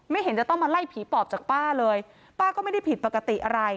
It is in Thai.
เห็นจะต้องมาไล่ผีปอบจากป้าเลยป้าก็ไม่ได้ผิดปกติอะไร